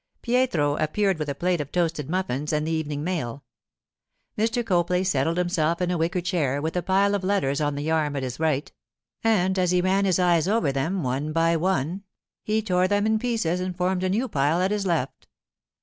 Pietro appeared with a plate of toasted muffins and the evening mail. Mr. Copley settled himself in a wicker chair, with a pile of letters on the arm at his right; and, as he ran his eyes over them one by one, he tore them in pieces and formed a new pile at his left.